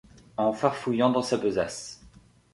en farfouillant dans sa besace.